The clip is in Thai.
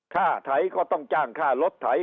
ค่าไถก็ต้องจ้างค่าลดไถ